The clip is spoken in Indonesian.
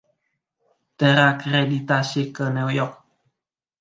Terakreditasi ke: New York